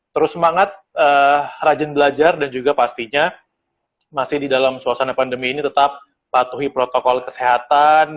terus semangat rajin belajar dan juga pastinya masih di dalam suasana pandemi ini tetap patuhi protokol kesehatan